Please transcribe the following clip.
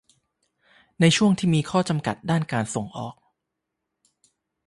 ในช่วงที่มีข้อจำกัดด้านการส่งออก